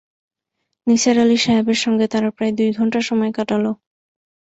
নিসার আলি সাহেবের সঙ্গে তারা প্রায় দুই ঘন্টা সময় কাটাল।